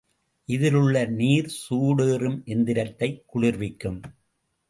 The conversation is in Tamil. இதிலுள்ள நீர், சூடேறும் எந்திரத்தைக் குளிர்விக்கும்.